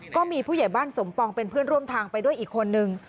ก็มีผู้ใหญ่บ้านสมปองเป็นเพื่อนร่วมทางไปด้วยอีกคนนึง